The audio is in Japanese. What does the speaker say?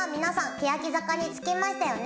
けやき坂に着きましたよね？